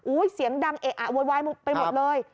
เสียงดังเอะอะโวยวายไปหมดเลย